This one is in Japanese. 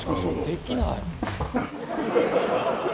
できない！